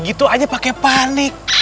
gitu aja pake panik